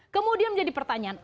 kemudian menjadi pertanyaan